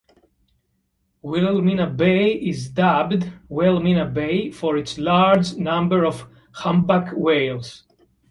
Wilhelmina Bay is dubbed "Whale-mina Bay" for its large number of humpback whales.